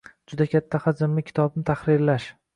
Juda katta hajmli kitobni tahrirlash